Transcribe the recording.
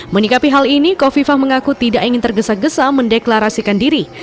menikapi hal ini kofifah mengaku tidak ingin tergesa gesa mendeklarasikan diri